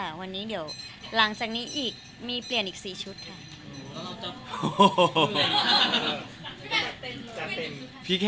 วันนี้เดี๋ยวหลังจากนี้อีกมีเปลี่ยนอีก๔ชุดค่ะ